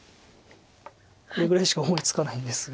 これぐらいしか思いつかないんですが。